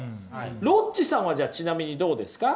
ロッチさんはじゃあちなみにどうですか？